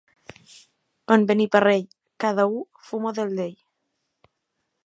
En Beniparrell, cada u fuma del d'ell.